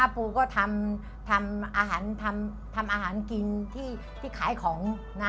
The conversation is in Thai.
ปูก็ทำอาหารกินที่ขายของ